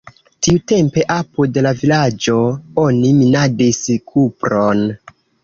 Tiutempe apud la vilaĝo oni minadis kupron.